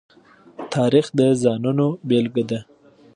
تاریخ د ځانونو بېلګه ده.